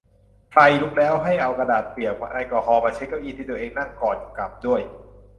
ใครลุกแล้ว ให้เอากระดาษเปียกแอลกอฮอล์ มาเช็ดเก้าอี้ที่ตัวเองนั่งก่อนกลับด้วย